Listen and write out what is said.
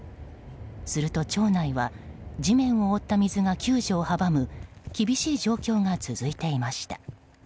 すると、町内は地面を覆った水が救助を阻む厳しい状況が続いていました。